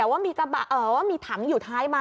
ว่ามีถังอยู่ท้ายไหม